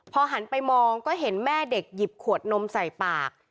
พอหันไปมองก็เห็นแม่เด็กหยิบขวดนมใส่ปาก